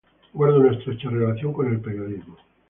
Guarda una estrecha relación con el periodismo.